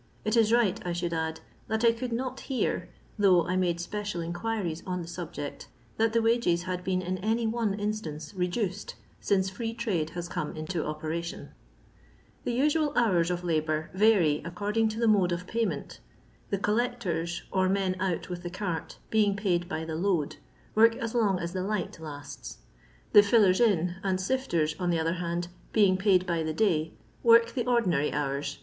It is right I should add, that I could not hear — thooff h I made special enquiries on the subject — that the wages had been in any one instance reduced since Free trade has come into operation. The usual hours of labour vary according to the mode of payment. The " collectors/' or men out with the cart, being paid by the load, work as long OS the light huts; the " iillers in" and sifters, on the other hand, being paid by the day, work the ordinary hours, viz.